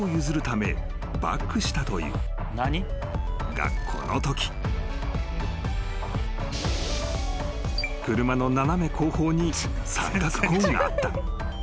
［がこのとき車の斜め後方に三角コーンがあった］